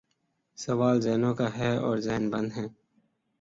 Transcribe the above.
سوال ذہنوں کا ہے اور ذہن بند ہیں۔